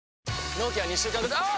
納期は２週間後あぁ！！